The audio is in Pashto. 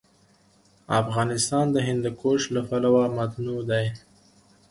افغانستان د هندوکش له پلوه متنوع دی.